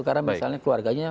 karena misalnya keluarganya